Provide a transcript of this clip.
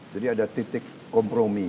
jadi ada titik kompromi